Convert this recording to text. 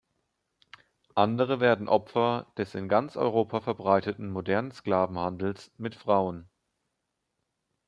Andere werden Opfer des in ganz Europa verbreiteten modernen Sklavenhandels mit Frauen.